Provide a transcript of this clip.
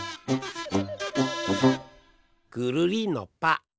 ぐるりんのぱ。